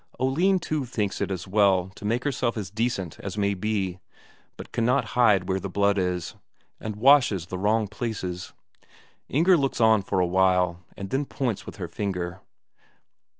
Oline too thinks it as well to make herself as decent as may be, but cannot see where the blood is, and washes the wrong places. Inger looks on for a while, and then points with her finger.